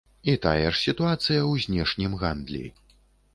І тая ж сітуацыя ў знешнім гандлі.